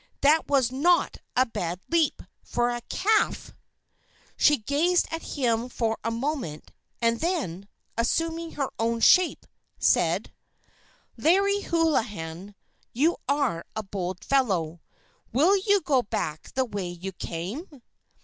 That was not a bad leap, for a calf!" She gazed at him for a moment, and then, assuming her own shape, said: "Larry Hoolahan, you are a bold fellow! Will you go back the way you came?"